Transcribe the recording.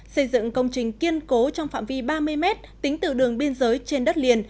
xây dựng công trình kiên cố trong phạm vi ba mươi mét tính từ đường biên giới trên đất liền